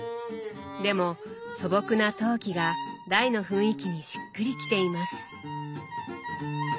でも素朴な陶器が台の雰囲気にしっくりきています。